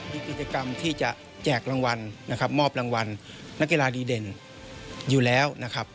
มีกิจกรรมที่จะแจกรางวัลนะครับมอบรางวัลนักกีฬาดีเด่นอยู่แล้วนะครับ